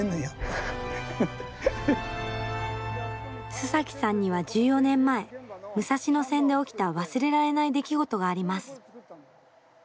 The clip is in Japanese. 須崎さんには１４年前、武蔵野線で起きた忘れられない出来事があります。